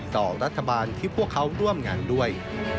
ต่อรัฐบาลที่พวกเขาร่วมงานด้วย